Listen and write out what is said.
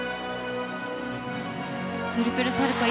トリプルサルコウ。